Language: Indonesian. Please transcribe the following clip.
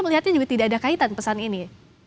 melihatnya juga tidak ada kaitan pesan ini